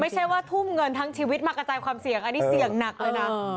ไม่ใช่ว่าทุ่มเงินทั้งชีวิตมากระจายความเสี่ยงอันนี้เสี่ยงหนักเลยนะ